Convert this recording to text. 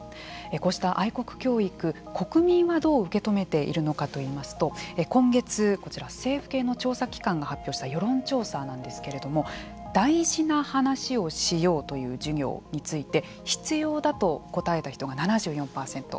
こうした愛国教育国民はどう受け止めているのかといいますと今月こちら政府系の調査機関が発表した世論調査なんですけれども「大事な話をしよう」という授業について必要だと答えた人が７４％。